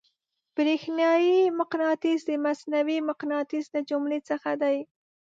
برېښنايي مقناطیس د مصنوعي مقناطیس له جملې څخه دی.